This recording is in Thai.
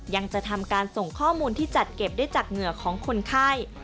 ยังจะทำการส่งข้อมูลที่จัดเก็บได้จากเหงื่อของคนไข้